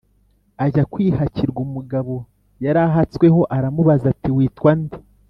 ajya kwihakirwa. umugabo yari ahatsweho aramubaza ati: "witwa nde?